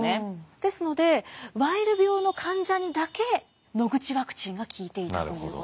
ですのでワイル病の患者にだけノグチワクチンが効いていたということでした。